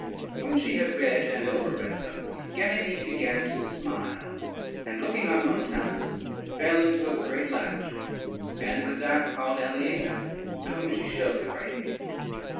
When she had read and over read them Ganymede began to smile, and looking on Montanus, fell into a great laughter, and with that called Aliena, to whom she showed the writings.